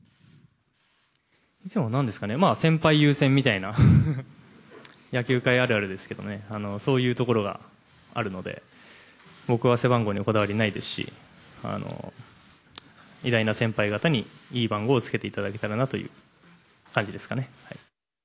いつも、なんですかね、先輩優先みたいな、野球界あるあるですけどね、そういうところがあるので、僕は背番号にはこだわりないですし、偉大な先輩方にいい番号をつけていただけたらなという感じですか